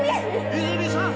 泉さん！